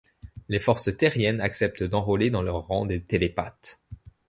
Les Forces Terriennes acceptent d’enrôler dans leurs rangs des télépathes.